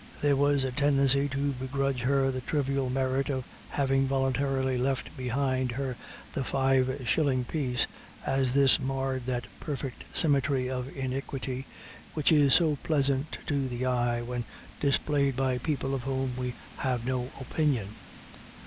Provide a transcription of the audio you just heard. There was a tendency to begrudge her the trivial merit of having voluntarily left behind her the five shilling piece, as this marred that perfect symmetry of iniquity which is so pleasant to the eye when displayed by people of whom we " have no opin ion."